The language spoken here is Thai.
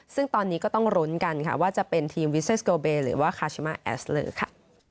ซึ่งตอนนี้ก็ต้องลุ้นกันค่ะว่าจะเป็นทีมวิเซสโกเบหรือว่าคาชิมาแอสเลอร์ค่ะ